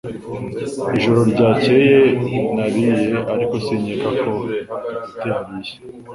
Ijoro ryakeye nariye ariko sinkeka ko Gatete yariye